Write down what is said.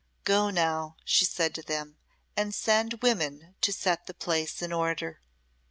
"Go now," she said to them, "and send women to set the place in order."